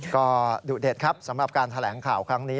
ก็ดุเด็ดครับสำหรับการแถลงข่าวครั้งนี้